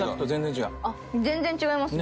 全然違いますね。